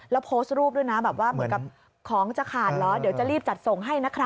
แล้วส่งรูปด้วยมีกับของจะขาดหรอเดี๋ยวจะรีบจัดส่งให้นะครับ